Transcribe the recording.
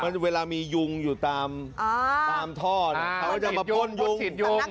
มันเวลามียุงอยู่ตามอ่าต้อนเขาจะมาพ่นยุงพ่นยุง